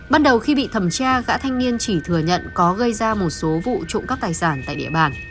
bắt đầu khi bị thẩm tra gã thanh niên chỉ thừa nhận có gây ra một số vụ trụng các tài sản tại địa bàn